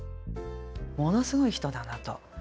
ものすごい人だなと。